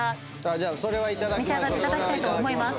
じゃあそれはいただきましょう。